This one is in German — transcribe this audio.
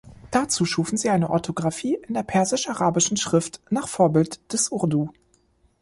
Dazu schufen sie eine Orthografie in der persisch-arabischen Schrift nach Vorbild des Urdu.